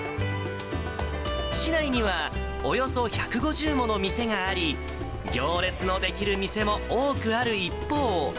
市内にはおよそ１５０もの店があり、行列の出来る店も多くある一方。